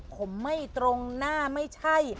ผมไม่ตรงหน้าไม่ใช่